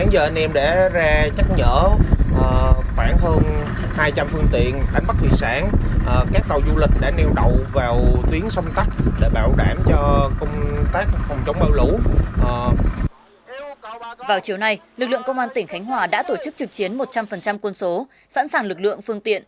vào chiều nay lực lượng công an tỉnh khánh hòa đã tổ chức trực chiến một trăm linh quân số sẵn sàng lực lượng phương tiện